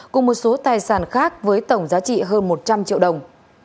cùng một số tài sản khác với tổng giá trị hơn một trăm linh triệu đồng